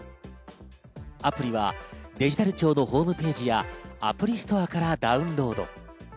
アプリはデジタル庁のホームページやアプリストアからダウンロード。